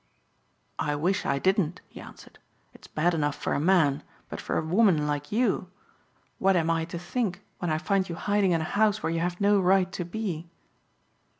"I wish I didn't," he answered. "It's bad enough for a man, but for a woman like you. What am I to think when I find you hiding in a house where you have no right to be?"